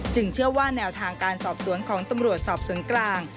เชื่อว่าแนวทางการสอบสวนของตำรวจสอบสวนกลาง